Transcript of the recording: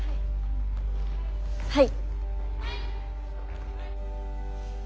はい。